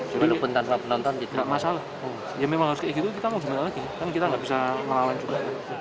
jadi tidak masalah ya memang harus kayak gitu kita mau gimana lagi kan kita nggak bisa melawan juga